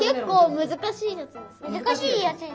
むずかしいやつにする。